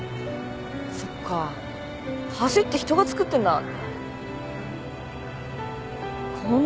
そっか橋って人が造ってんだって。